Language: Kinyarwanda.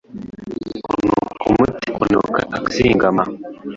ngo ni ukumutera kunanuka akazingama